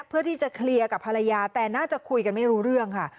เพื่อที่จะเคลียร์กับภรรยาแต่น่าจะคุยกันไม่รู้เรื่องค่ะ